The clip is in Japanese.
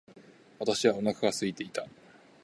私はお腹が空いていた。